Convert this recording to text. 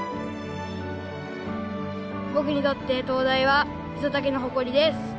僕にとって灯台は五十猛の誇りです。